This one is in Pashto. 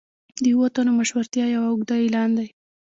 د اوو تنو مشهورتیا یو اوږده اعلان دی.